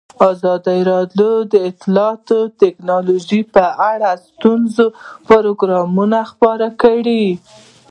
ازادي راډیو د اطلاعاتی تکنالوژي په اړه ښوونیز پروګرامونه خپاره کړي.